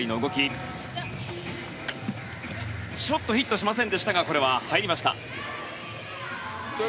ちょっとヒットしませんでしたが入りました。